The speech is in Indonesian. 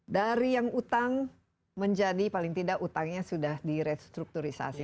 dari yang utang menjadi paling tidak utangnya sudah direstrukturisasi